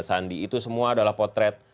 sandi itu semua adalah potret